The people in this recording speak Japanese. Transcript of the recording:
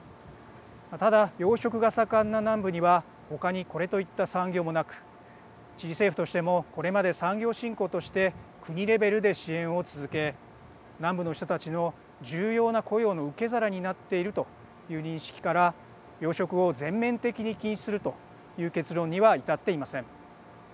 ただ、養殖が盛んな南部には他にこれといった産業もなくチリ政府としてもこれまで産業振興として国レベルで支援を続け南部の人たちの重要な雇用の受け皿になっているという認識から養殖を全面的に禁止するという結論には至っていません。